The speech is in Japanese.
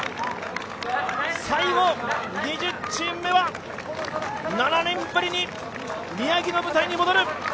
最後、２０チーム目は７年ぶりに宮城の舞台に戻る。